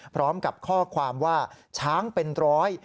พร้อมกับข้อความว่าช้างเป็นร้อย